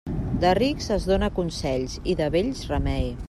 De rics es dóna consells i de vells remei.